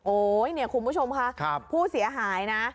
โอ้ยเนี่ยคุณผู้ชมค่ะครับผู้เสียหายนะ